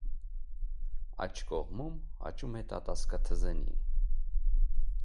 Աջ կողմում աճում է տատասկաթզենի։